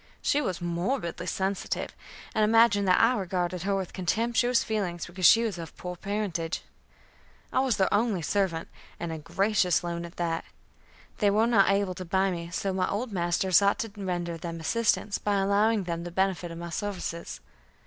She was morbidly sensitive, and imagined that I regarded her with contemptuous feelings because she was of poor parentage. I was their only servant, and a gracious loan at that. They were not able to buy me, so my old master sought to render them assistance by allowing them the benefit of my services.